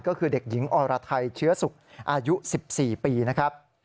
ก็คือเด็กหญิงอรไทยเชื้อสุขอายุ๑๔ปีนะครับ